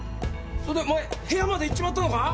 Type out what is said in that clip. それでお前部屋まで行っちまったのか？